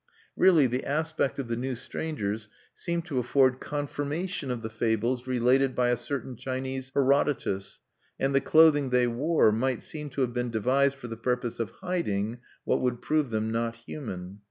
Really the aspect of the new strangers seemed to afford confirmation of the fables related by a certain Chinese Herodotus; and the clothing they wore might seem to have been devised for the purpose of hiding what would prove them not human.